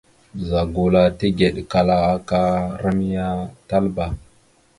Ɓəza gula tigekala aka ram ya Talba.